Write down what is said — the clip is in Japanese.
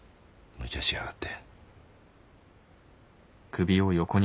むちゃしやがって。